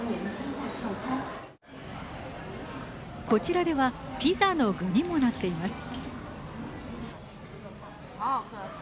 こちらではピザの具にもなっています。